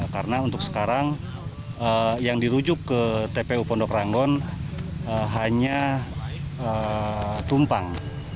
karena untuk sekarang yang dirujuk ke tpu pondok ranggon hanya tumpang